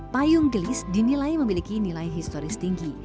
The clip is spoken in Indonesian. payung gelis dinilai memiliki nilai historis tinggi